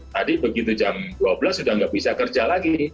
tadi begitu jam dua belas sudah tidak bisa kerja lagi